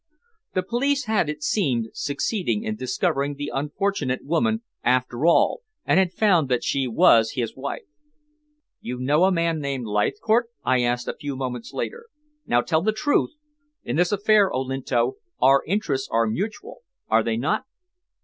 The police had, it seemed, succeeded in discovering the unfortunate woman after all, and had found that she was his wife. "You know a man named Leithcourt?" I asked a few moments later. "Now, tell the truth. In this affair, Olinto, our interests are mutual, are they not?"